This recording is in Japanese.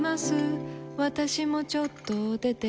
私もちょっと出ています。